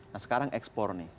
nah sekarang ekspor nih